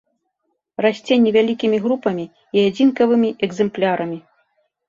Расце невялікімі групамі і адзінкавымі экзэмплярамі.